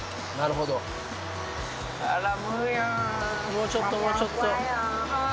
もうちょっともうちょっと。